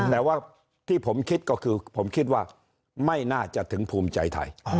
แต่ว่าที่ผมคิดก็คือผมคิดว่าไม่น่าจะถึงภูมิใจไทย